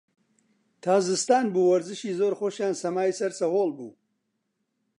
تا زستان بوو، وەرزشی زۆر خۆشیان سەمای سەر سەهۆڵ بوو